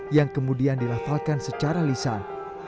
yang kemudian dilafalkan secara lisan